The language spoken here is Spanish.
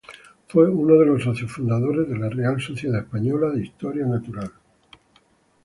Fue uno de los socios fundadores de la Real Sociedad Española de Historia Natural.